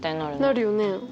なるよね。